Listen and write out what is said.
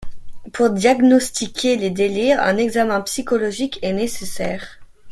Pour diagnostiquer les délires, un examen psychologique est nécessaire.